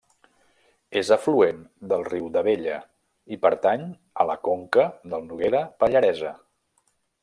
És afluent del riu d'Abella, i pertany a la conca del Noguera Pallaresa.